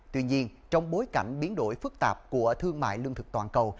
tuy nhiên trong bối cảnh biến đổi phức tạp của thương mại lương thực toàn cầu